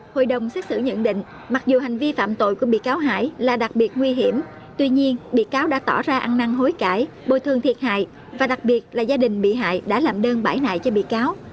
hội đồng xét xử nhận định mặc dù hành vi phạm tội của bị cáo hải là đặc biệt nguy hiểm tuy nhiên bị cáo đã tỏ ra ăn năng hối cãi bồi thương thiệt hại và đặc biệt là gia đình bị hại đã làm đơn bải nại cho bị cáo